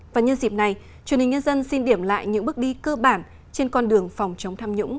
và nhân dịp này truyền hình nhân dân xin điểm lại những bước đi cơ bản trên con đường phòng chống tham nhũng